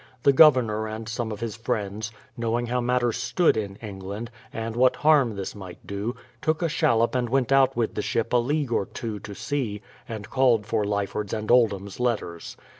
The Governor and some of his friends, knowing how mat ters stood in England, and what harm this might do, took a shallop and went out with the ship a league or two to sea, and called for Lyford's and Oldham's letters.